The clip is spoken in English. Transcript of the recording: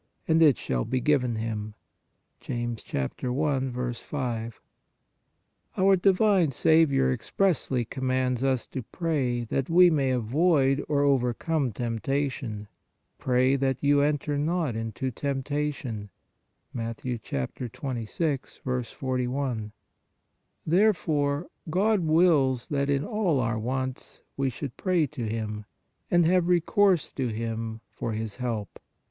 . and it shall be given him " (James i. 5). Our divine Saviour expressly com mands us to pray that we may avoid or overcome temptation: "Pray that you enter not into tempta tion " (Mat 26. 4I). Therefore, God wills that in all our wants we should pray to Him, and have re course to Him for His help.